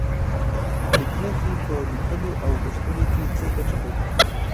لیک نښې په لیکلو او لوستلو کې څه ګټه لري؟